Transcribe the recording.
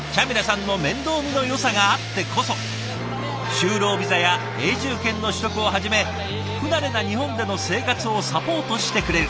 就労ビザや永住権の取得をはじめ不慣れな日本での生活をサポートしてくれる。